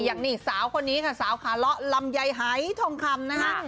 อย่างนี้สาวคนนี้สาวขาเลาะลำยายหายถงคำนะ